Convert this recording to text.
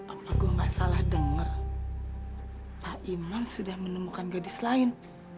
apa gue gak salah dengar pak iman sudah menemukan gadis lain